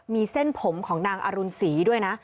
มีเส้นผมของนางอรุณศรีด้วยนะ